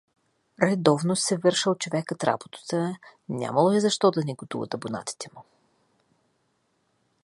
Редовно си вършил човекът работата, нямало е защо да негодуват абонатите му.